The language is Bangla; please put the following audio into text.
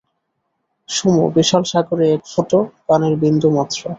সুমো বিশাল সাগরে একফোঁটা পানির বিন্দু মাত্র।